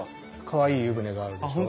かわいい湯船があるでしょ。